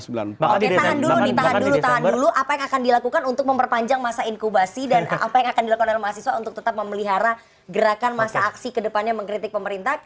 oke tahan dulu ditahan dulu tahan dulu apa yang akan dilakukan untuk memperpanjang masa inkubasi dan apa yang akan dilakukan oleh mahasiswa untuk tetap memelihara gerakan masa aksi kedepannya mengkritik pemerintah